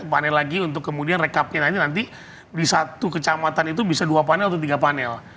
panel lagi untuk kemudian rekapnya nanti di satu kecamatan itu bisa dua panel atau tiga panel